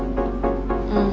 うん。